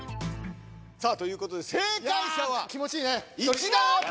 さあということで正解者は気持ちいいね１段アップ！